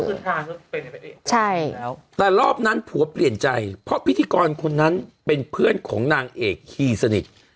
ใช่แล้วแต่รอบนั้นผัวเปลี่ยนใจเพราะพิธีกรคนนั้นเป็นเพื่อนของนางเอกคีย์สนิท